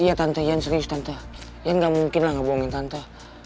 iya tante ian serius tante ian gak mungkin lah gak bohongin tante